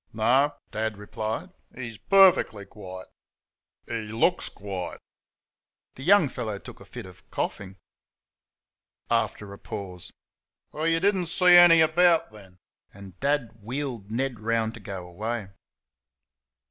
"No," Dad replied "he's PERFECTLY quiet." "He LOOKS quiet." The young fellow took a fit of coughing. After a pause. "Well, you did n't see any about, then?" and Dad wheeled Ned round to go away.